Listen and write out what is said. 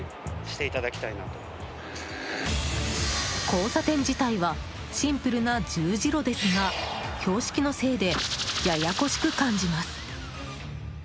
交差点自体はシンプルな十字路ですが標識のせいでややこしく感じます。